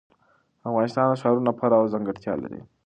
افغانستان د ښارونو له پلوه ځانګړتیاوې لري.